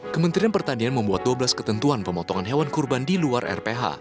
kementerian pertanian membuat dua belas ketentuan pemotongan hewan kurban di luar rph